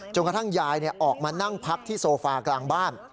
กระทั่งยายออกมานั่งพักที่โซฟากลางบ้าน